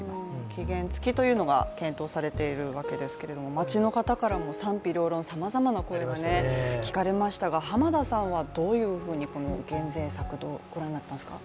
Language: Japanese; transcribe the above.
期限付きというのが検討されているわけですけれども街の方からも賛否両論、さまざまな声が聞かれましたがこの減税策、どう御覧になっていますか？